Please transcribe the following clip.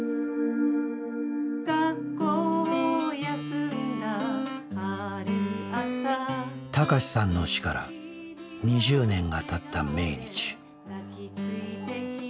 学校を休んだある朝孝さんの死から２０年がたった命日。